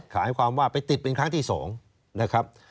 หมายความว่าไปติดเป็นครั้งที่๒นะครับ